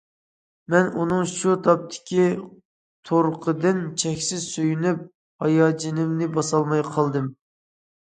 مەن ئۇنىڭ شۇ تاپتىكى تۇرقىدىن چەكسىز سۆيۈنۈپ، ھاياجىنىمنى باسالماي قالدىم.